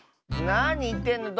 なにいってんの！